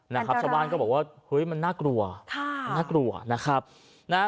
นะครับชาวบ้านก็บอกว่าเฮ้ยมันน่ากลัวค่ะน่ากลัวนะครับนะฮะ